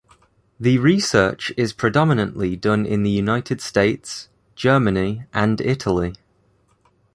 The research is predominantly done in the United States, Germany and Italy.